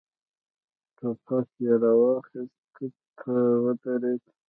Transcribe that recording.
ټوپک يې را واخيست، توت ته ودرېد.